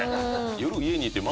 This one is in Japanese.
夜家にいて。